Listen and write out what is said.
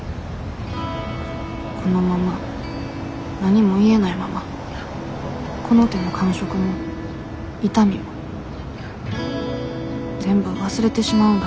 このまま何も言えないままこの手の感触も痛みも全部忘れてしまうんだろうか。